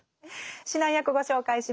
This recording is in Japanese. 指南役ご紹介します。